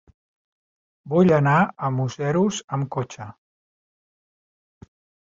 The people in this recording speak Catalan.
Vull anar a Museros amb cotxe.